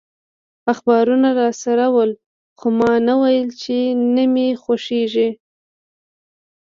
اخبارونه راسره ول، خو ما نه ویل چي نه مي خوښیږي.